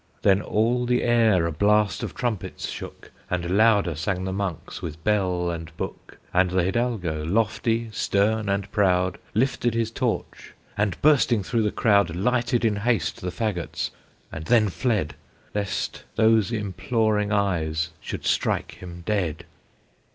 Then all the air a blast of trumpets shook, And louder sang the monks with bell and book, And the Hidalgo, lofty, stern, and proud, Lifted his torch, and, bursting through the crowd, Lighted in haste the fagots, and then fled, Lest those imploring eyes should strike him dead!